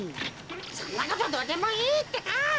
そんなことどうでもいいってか！